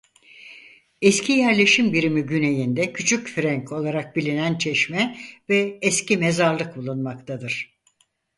Eski yerleşim birimi güneyinde "Küçük Frenk" olarak bilinen çeşme ve eski mezarlık bulunmaktadır.